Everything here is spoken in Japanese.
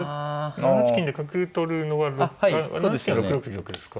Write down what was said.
７八金で角取るのは７八金は６六玉ですか。